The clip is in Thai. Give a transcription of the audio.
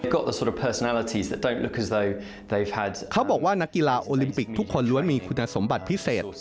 เขาบอกว่านักกีฬาโอลิมปิกทุกคนล้วนมีคุณสมบัติพิเศษ